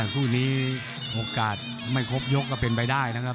คู่นี้โอกาสไม่ครบยกก็เป็นไปได้นะครับ